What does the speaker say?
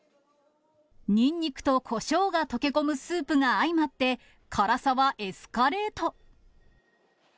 ニンニクとこしょうが溶け込むスープが相まって、辛さはエスカレート。